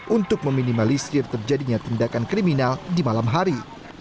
untuk meminimalisir terjadinya tindakan kriminal di malam hari